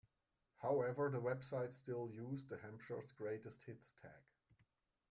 However the website still used the Hampshire's Greatest Hits tag.